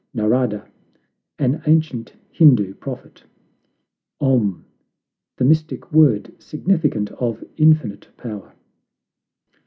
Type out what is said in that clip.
NARADA An ancient Hindoo prophet. OM The mystic word, significant of infinite power.